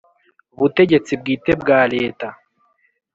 butegetsi bwite bwa Leta